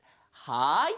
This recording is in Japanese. はい！